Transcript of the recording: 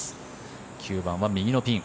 ９番は右のピン。